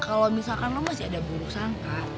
kalo misalkan lo masih ada bubuk sangka